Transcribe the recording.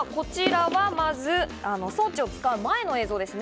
さぁ、こちらはまず装置を使う前の映像ですね。